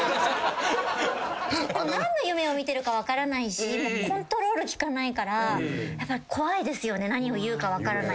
でも何の夢を見てるか分からないしコントロール利かないから怖いですよね何を言うか分からないって。